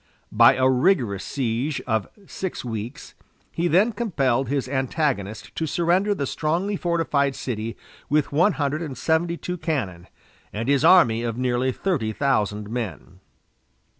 By a rigorous siege of six weeks he then compelled his antagonist to surrender the strongly fortified city with one hundred and seventy two cannon, and his army of nearly thirty thousand men.